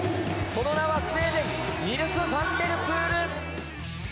その名はスウェーデンニルス・ファンデルプール。